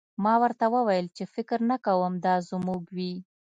ما ورته وویل چې فکر نه کوم دا زموږ وي